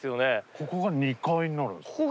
ここが２階になるんすか？